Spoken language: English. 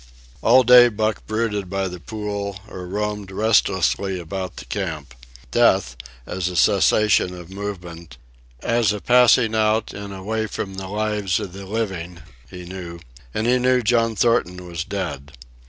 All day Buck brooded by the pool or roamed restlessly about the camp. Death, as a cessation of movement, as a passing out and away from the lives of the living, he knew, and he knew John Thornton was dead.